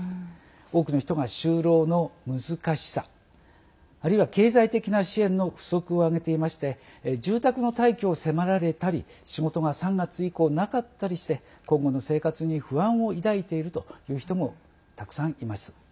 多くの人が就労の難しさあるいは、経済的な支援の不足を挙げていまして住宅の退去を迫られたり仕事が３月以降なかったりして今後の生活に不安を抱いているという人もたくさんいます。